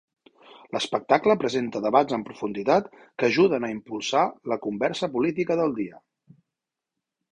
L'espectacle presenta debats en profunditat que ajuden a impulsar la conversa política del dia.